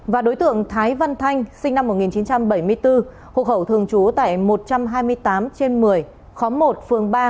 và đối tượng thái văn thanh sinh năm một nghìn chín trăm bảy mươi bốn hộ khẩu thường trú tại một trăm hai mươi tám trên một mươi khóm một phường ba